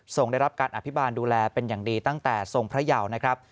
ได้รับการอภิบาลดูแลเป็นอย่างดีตั้งแต่ทรงพระเยานะครับ